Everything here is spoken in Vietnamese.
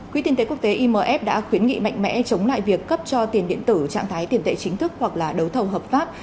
quỹ tiền tệ quốc tế imf đã khuyến nghị mạnh mẽ chống lại việc cấp cho tiền điện tử trạng thái tiền tệ chính thức hoặc là đấu thầu hợp pháp